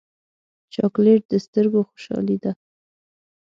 چاکلېټ د سترګو خوشحالي ده.